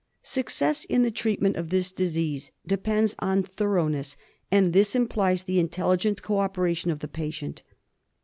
Success in the treatment of this disease depends on thoroughness, and this implies the intelligent co opera tion of the patient.